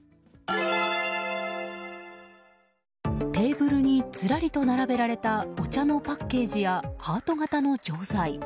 テーブルにずらりと並べられたお茶のパッケージやハート形の錠剤。